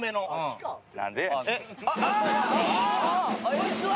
こいつは！